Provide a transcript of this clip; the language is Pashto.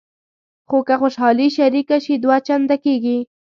خو که خوشحالي شریکه شي دوه چنده کېږي.